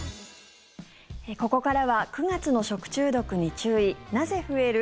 ここからは９月の食中毒に注意なぜ増える？